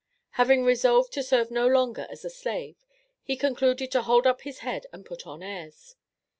Having resolved to serve no longer as a slave, he concluded to "hold up his head and put on airs."